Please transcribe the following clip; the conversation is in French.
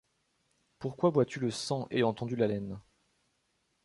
Pourquoi bois-tu le sang ayant tondu la laine ?